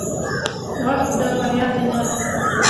• وخت د بریا زینه ده.